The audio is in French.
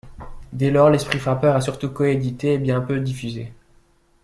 Dès lors l'Esprit frappeur a surtout coédité, et bien peu diffusé.